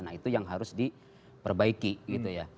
nah itu yang harus diperbaiki gitu ya